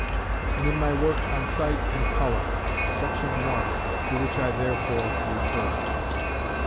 and in my work on Sight and Colour, § 1, to which I therefore refer.